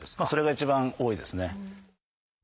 それが一番多いですね。